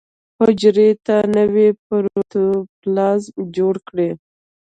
حجرې ته نوی پروتوپلازم جوړ کړي.